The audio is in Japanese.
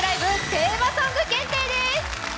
テーマソング検定！」です。